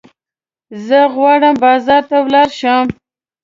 زه غواړم بازار ته ولاړ شم.